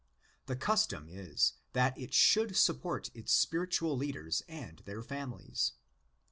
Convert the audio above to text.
The custom is that it should support its spiritual leaders and their families.